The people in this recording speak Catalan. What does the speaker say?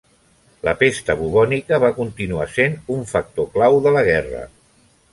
La pesta bubònica va continuar sent un factor clau de la guerra.